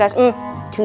waduh sebanget hahaha